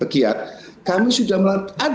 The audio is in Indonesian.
kami sudah melakukan